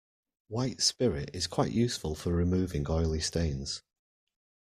White spirit is quite useful for removing oily stains